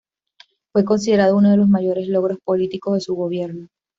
Fue considerado uno de los mayores logros políticos de su gobierno.